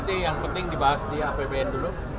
itu yang penting dibahas di apbn dulu